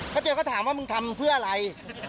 เจลก็ถามว่ามึงทำเพื่ออะไร